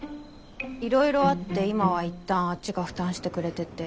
いろいろあって今はいったんあっちが負担してくれてて。